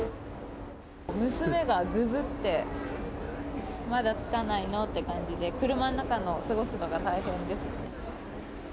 娘がぐずって、まだ着かないの？って感じで、車の中の、過ごすのが大変ですね。